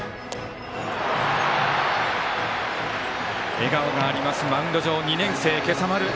笑顔があります、マウンド上２年生、今朝丸。